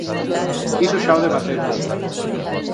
Iso xa o debatemos.